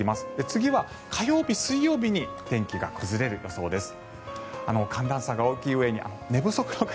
次は火曜日、水曜日に天気が崩れる予想です。